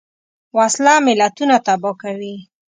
وسله ملتونه تباه کوي